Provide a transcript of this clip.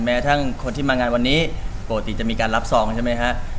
แม้ทั้งคนที่มางานวันนี้ปกติจะมีการรับซองใช่ไหมฮะ